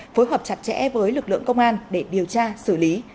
phối hợp chặt chẽ với lực lượng công an để điều tra xử lý